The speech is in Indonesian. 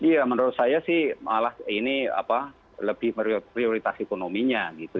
ya menurut saya sih malah ini lebih merioritas ekonominya